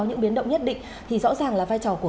những biến động nhất định thì rõ ràng là vai trò của